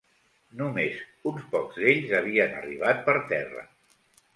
Només uns pocs d'ells havien arribat per terra.